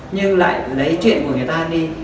nhưng lại lấy chuyện của người ta đi